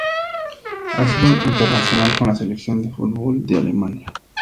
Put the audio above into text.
Ha sido internacional con la selección de fútbol de Alemania.